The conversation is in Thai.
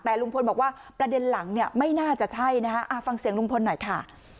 แต่ลุงพลบอกว่าประเด็นหลังเนี่ยไม่น่าจะใช่นะคะฟังเสียงลุงพลหน่อยค่ะ